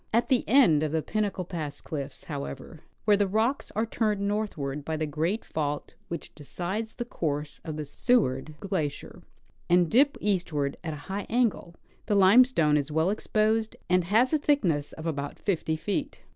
At the end of the Pinnacle pass cliffs, however, where the rocks are turned northward by the great fault which decides the course of the Seward glacier, and dip eastward at a high angle, the lime stone is well exposed, and has a thickness of about 50 feet.